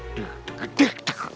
aku akan jemput abi